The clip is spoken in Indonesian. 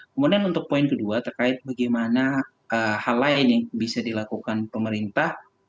kemudian untuk poin kedua terkait bagaimana hal lain yang bisa dilakukan pemerintah